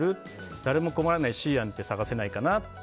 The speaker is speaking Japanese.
誰も困らないＣ案って探せないかなって。